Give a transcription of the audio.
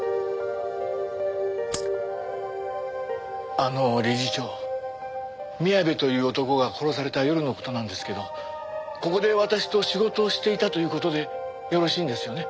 あの理事長宮部という男が殺された夜の事なんですけどここで私と仕事をしていたという事でよろしいんですよね？